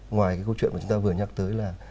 ngoài cái câu chuyện mà chúng ta vừa nhắc tới là